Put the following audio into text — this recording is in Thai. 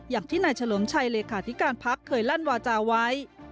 อย่างที่นายเฉลิมชัยเลขาธิการพักเคยลั่นวาจาไว้